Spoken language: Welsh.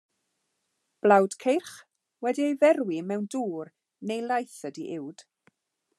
Blawd ceirch wedi'i ferwi mewn dŵr neu laeth ydy uwd.